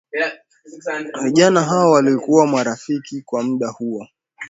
vijana hao walikuwa marafiki kwa muda huo